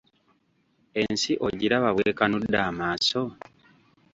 Ensi ogiraba bw'ekanudde amaaso?